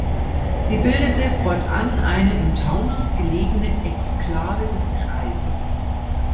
Sie bildete fortan eine im Taunus gelegene Exklave des Kreises.